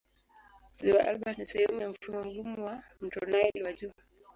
Ziwa Albert ni sehemu ya mfumo mgumu wa mto Nile wa juu.